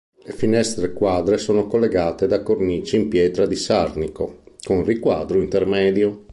Le finestre quadre sono collegate da cornici in pietra di Sarnico, con riquadro intermedio.